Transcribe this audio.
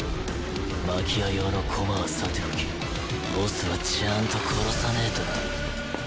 マキア用の駒はさておきボスはちゃあんと殺さねとなァ。